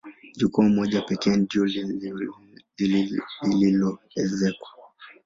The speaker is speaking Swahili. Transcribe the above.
Jukwaa moja pekee ndilo lililoezekwa.